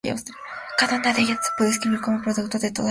Cada una de ellas se puede escribir como el producto de todas las demás.